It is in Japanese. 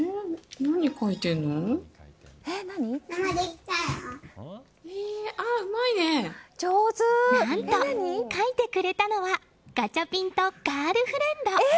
何と、描いてくれたのはガチャピンとガールフレンド。